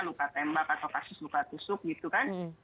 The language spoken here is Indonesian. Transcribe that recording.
luka tembak atau kasus luka tusuk gitu kan